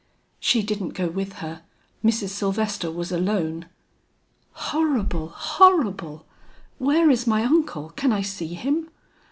"She didn't go with her. Mrs. Sylvester was alone." "Horrible, horrible! Where is my uncle, can I see him?"